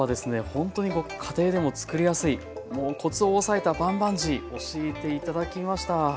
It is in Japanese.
ほんとに家庭でも作りやすいコツを押さえたバンバンジー教えて頂きました。